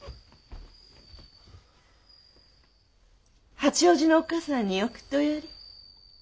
八王子のおっ母さんに送っておやり。